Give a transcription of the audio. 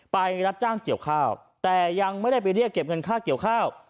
ไปรับจ้างเกี่ยวข้าวแต่ยังไม่ได้ไปเรียกเก็บเงินค่าเกี่ยวข้าว